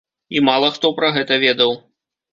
І мала хто пра гэта ведаў.